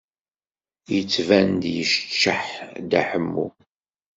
Yettban-d yeččeḥ Dda Ḥemmu.